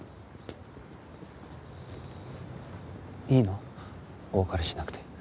いいの？お別れしなくて。